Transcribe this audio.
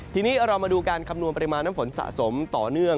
ทีนี้เรามาดูการคำนวณปริมาณน้ำฝนสะสมต่อเนื่อง